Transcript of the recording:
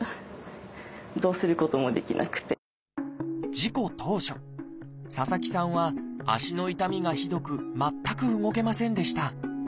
事故当初佐々木さんは足の痛みがひどく全く動けませんでした。